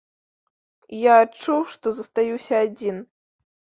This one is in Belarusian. Я адчуў, што застаюся адзін.